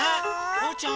おうちゃん。